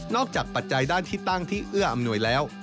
ปัจจัยด้านที่ตั้งที่เอื้ออำนวยแล้ว